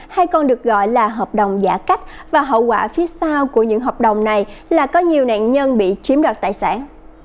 hay còn được gọi là hợp đồng giả cách và hậu quả phía sau của những hợp đồng này là có nhiều nạn nhân bị chiếm đoạt tài sản